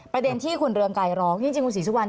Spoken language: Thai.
ประเด็นที่คุณเรืองไกรร้องจริงคุณศรีสุวรรณ